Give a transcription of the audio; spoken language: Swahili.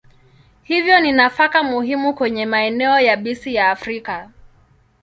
Hivyo ni nafaka muhimu kwenye maeneo yabisi ya Afrika.